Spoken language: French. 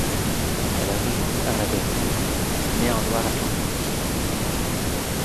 Elle est rejointe par la Verzée, née en Loire-Atlantique.